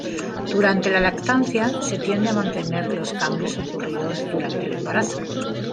Durante la lactancia se tiende a mantener los cambios ocurridos durante el embarazo.